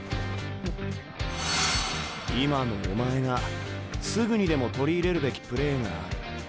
今のお前がすぐにでも取り入れるべきプレーがある。